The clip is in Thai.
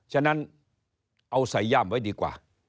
ฉะนั้นเอาใส่ย่ามไว้ดีกว่า